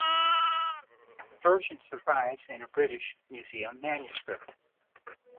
The version survives in a British Museum manuscript.